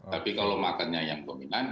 tapi kalau makannya yang dominan